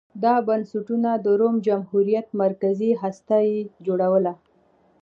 دا بنسټونه د روم جمهوریت مرکزي هسته یې جوړوله